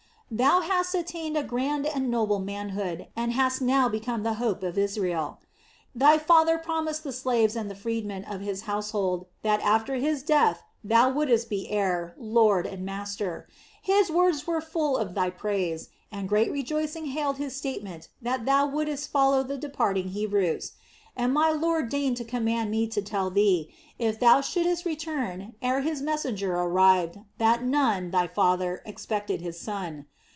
"Thou hast attained a grand and noble manhood, and hast now become the hope of Israel. Thy father promised the slaves and freedmen of his household that after his death, thou wouldst be heir, lord and master. His words were full of thy praise, and great rejoicing hailed his statement that thou wouldst follow the departing Hebrews. And my lord deigned to command me to tell thee, if thou should'st return ere his messenger arrived, that Nun, thy father, expected his son.